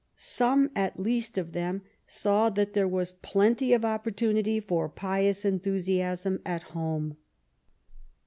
Some, at least, of them saw that there was plenty of opportunity for pious enthusiasm at home.